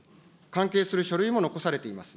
関係する書類も残されています。